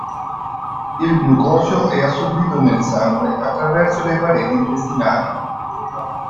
Il glucosio è assorbito nel sangue attraverso le pareti intestinali.